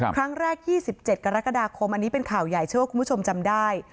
ครั้งแรก๒๗กรกฎาคมอันนี้เป็นข่าวใหญ่เชื่อว่าคุณผู้ชมจำได้